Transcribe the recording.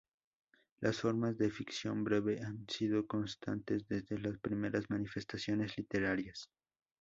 Las formas de ficción breve han sido constantes desde las primeras manifestaciones literarias.